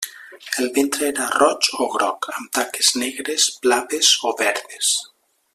El ventre era roig o groc, amb taques negres, blaves o verdes.